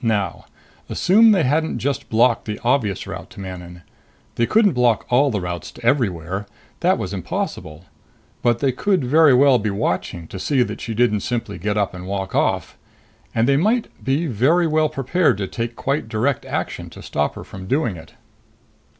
Now. Assume they hadn't just blocked the obvious route to Manon. They couldn't block all routes to everywhere; that was impossible. But they could very well be watching to see that she didn't simply get up and walk off. And they might be very well prepared to take quite direct action to stop her from doing it.